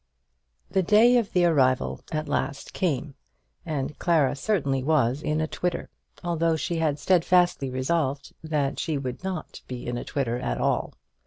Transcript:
The day of the arrival at last came, and Clara certainly was in a twitter, although she had steadfastly resolved that she would be in no twitter at all.